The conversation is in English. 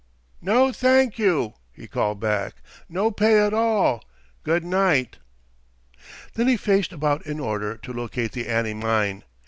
"No, thank you," he called back. "No pay at all. Good night." Then he faced about in order to locate the Annie Mine.